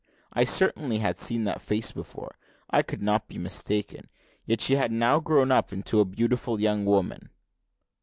I certainly had seen that face before I could not be mistaken; yet she had now grown up into a beautiful young woman.